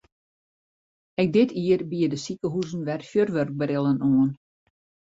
Ek dit jier biede sikehuzen wer fjurwurkbrillen oan.